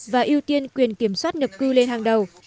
và các nước nập cư lên hàng đầu